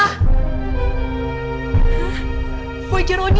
hah buat jero dia